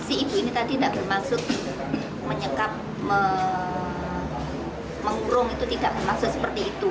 si ibu ini tadi tidak bermaksud menyekap mengurung itu tidak bermaksud seperti itu